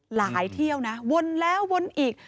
เที่ยวนะวนแล้ววนอีก